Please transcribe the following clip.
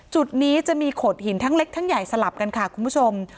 จุดนี้จะมีโขดหินทั้งเล็กทั้งใหญ่สลับกันค่ะคุณผู้ชม